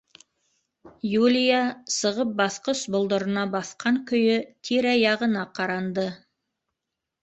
Юлия сығып баҫҡыс болдорона баҫҡан көйө тирә-яғына ҡаранды.